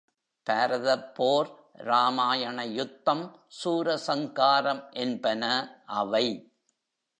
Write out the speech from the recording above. பாரதப்போர், ராமாயண யுத்தம், சூரசங்காரம் என்பன அவை.